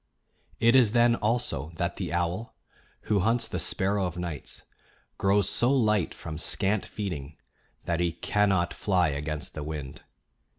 It is then, also, that the owl, who hunts the sparrow o' nights, grows so light from scant feeding that he cannot fly against the wind.